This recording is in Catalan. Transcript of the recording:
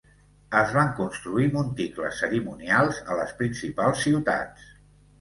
Es van construir monticles cerimonials a les principals ciutats.